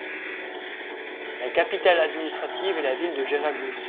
La capitale administrative est la ville de Jerablus.